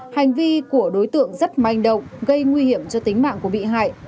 hành vi của đối tượng rất manh động gây nguy hiểm cho tính mạng của bị hại